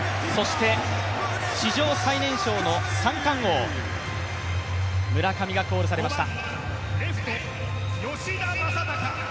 そして、史上最年少の三冠王、村上がコールされました。